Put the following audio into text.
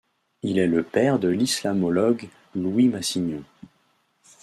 Il est le père de l'islamologue Louis Massignon.